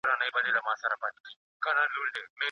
که موږ خپله ژبه وساتو، نو خپلواکي به مو محفوظ شي.